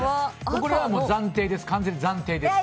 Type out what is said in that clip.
これは完全に暫定です。